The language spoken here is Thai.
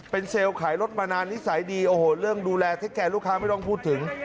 เป็นเซลล์ขายรถมานานนิสัยดีโอ้โหเรื่องดูแลเทคแคร์ลูกค้าไม่ต้องพูดถึง